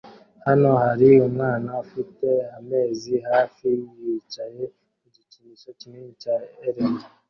Hano hari umwana ufite amezi hafi yicaye ku gikinisho kinini cya Elmo